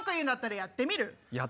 「やってみる？」。